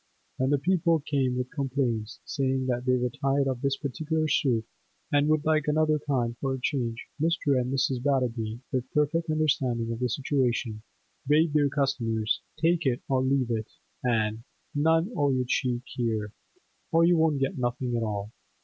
When the people came with complaints, saying that they were tired of this particular soup, and would like another kind for a change, Mr. and Mrs. Batterby, with perfect understanding of the situation, bade their customers 'take it or leave it—an' none o' your cheek here, or you won't get nothing at all!